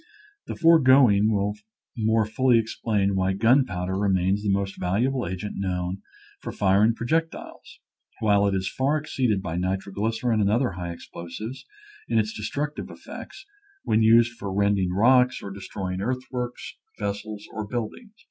The foregoing will more fully explain why gunpowder remains the most valuable agent known for firing projectiles, while it is far exceeded by nitroglycerin and other high explosives in its destructive effects when used for rending rocks or destroying , i . Original from UNIVERSITY OF WISCONSIN DJgb SsploBivee. 233 i earthworks, vessels, or buildings.